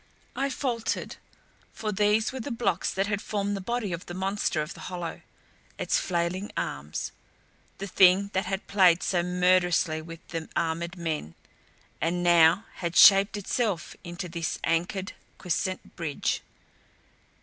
I faltered. For these were the blocks that had formed the body of the monster of the hollow, its flailing arms. The thing that had played so murderously with the armored men. And now had shaped itself into this anchored, quiescent bridge.